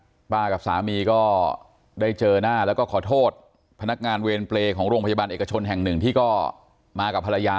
คุณป้ากับสามีก็ได้เจอหน้าแล้วก็ขอโทษพนักงานเวรเปรย์ของโรงพยาบาลเอกชนแห่งหนึ่งที่ก็มากับภรรยา